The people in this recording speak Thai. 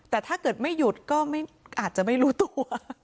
แต่ถ้าเกิดไม่หยุดก็อาจจะไม่รู้ตัว